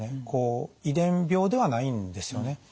こう遺伝病ではないんですよね。